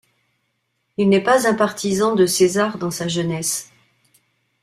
Il n'est pas un partisan de César dans sa jeunesse.